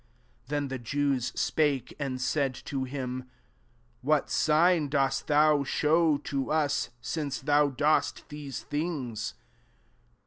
18 Then the Jews spake and said to him, " What sign dost thou show to us, since thou dost these things